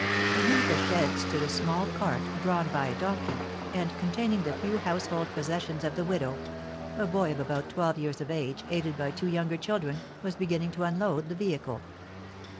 Beneath a shed stood a small cart, drawn by a donkey, and containing the few household possessions of the widow; a boy of about twelve years of age, aided by two younger children, was beginning to unload the vehicle.